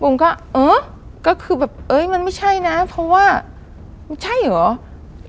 เออก็คือแบบเอ้ยมันไม่ใช่นะเพราะว่ามันใช่เหรอ